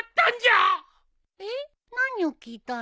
えっ何を聞いたの？